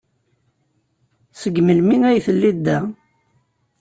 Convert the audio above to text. Seg melmi ay telliḍ da?